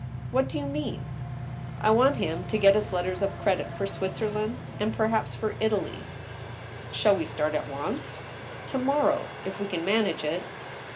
" What do you mean ?"" I want him to get us letters of credit for Switzerland, and per haps for Italy," '^ Shall we start at once ?"" To morrow, if we can manage it."